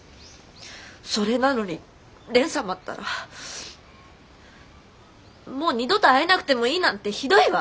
それなのに蓮様ったらもう二度と会えなくてもいいなんてひどいわ！